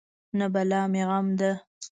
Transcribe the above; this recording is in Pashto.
نه بلا مې غم ده.